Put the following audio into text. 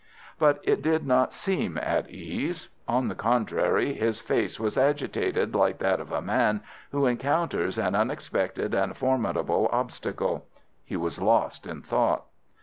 But it did not seem at ease. On the contrary, his face was agitated like that of a man who encounters an unexpected and formidable obstacle. He was lost in thought.